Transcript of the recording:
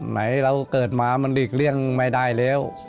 ไหนเราเกิดมามันหลีกเลี่ยงไม่ได้แล้ว